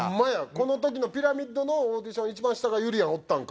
この時のピラミッドのＡｕｄｉｔｉｏｎ一番下がゆりやんおったんか。